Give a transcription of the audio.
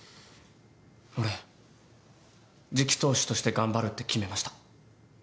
俺次期当主として頑張るって決めました。